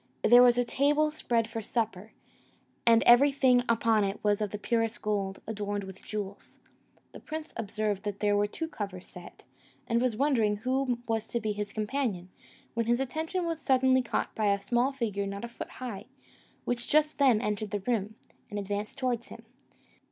There was a table spread for supper, and everything upon it was of the purest gold, adorned with jewels. The prince observed there were two covers set, and was wondering who was to be his companion, when his attention was suddenly caught by a small figure not a foot high, which just then entered the room, and advanced towards him.